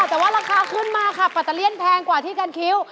แต่ว่าราคาขึ้นมาค่ะปัตเตอร์เลี่ยนแพงกว่าที่กันคิ้ว